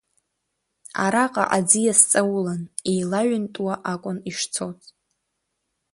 Араҟа аӡиас ҵаулан, еилаҩынтуа акәын ишцоз.